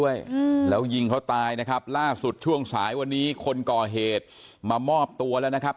จุดสุดที่คนก่อเหตุมามอบตัว